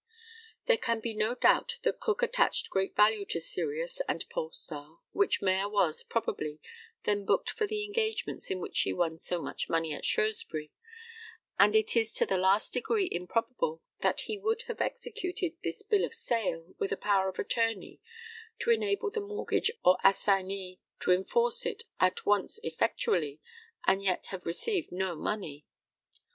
There can be no doubt that Cook attached great value to Sirius and Polestar, which mare was, probably, then booked for the engagements in which she won so much money at Shrewsbury; and it is to the last degree improbable that he would have executed this bill of sale, with a power of attorney to enable the mortgagee or assignee to enforce it at once effectually, and yet have received no money.